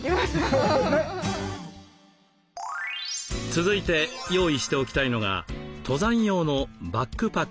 続いて用意しておきたいのが登山用のバックパックです。